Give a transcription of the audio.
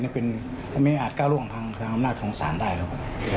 ไม่อาจก้าวร่วงทางอำนาจของศาลได้ครับผม